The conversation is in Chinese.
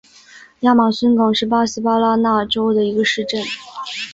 亚马孙港是巴西巴拉那州的一个市镇。